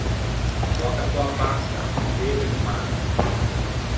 Ò accattou a pasta, i fidê pe doman.